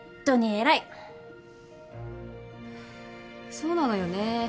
そうなのよね。